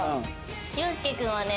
陽介君はね